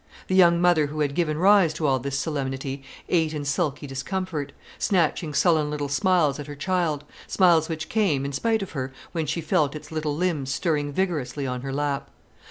The young mother who had given rise to all this solemnity ate in sulky discomfort, snatching sullen little smiles at her child, smiles which came, in spite of her, when she felt its little limbs stirring vigorously on her lap.